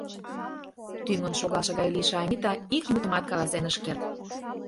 Тӱҥын шогалше гай лийше Анита ик мутымат каласен ыш керт.